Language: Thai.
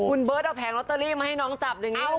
คุณเบิร์ตเอาแผงลอตเตอรี่มาให้น้องจับอย่างนี้